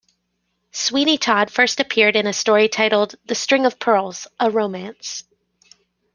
Sweeney Todd first appeared in a story titled "The String of Pearls: A Romance".